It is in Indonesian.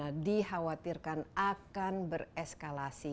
lagi ketika terjadi perang tersebut